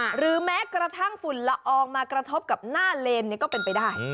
หรือแม้กระทั่งฝุ่นละอองมากระทบกับหน้าเลนก็เป็นไปได้